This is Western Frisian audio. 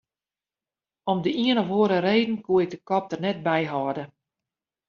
Om de ien of oare reden koe ik de kop der net by hâlde.